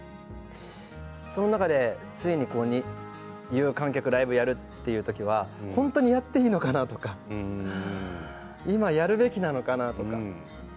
その中で、ついに有観客ライブをやるという時は本当にやっていいのかな？とか今やるべきなのかな？とか。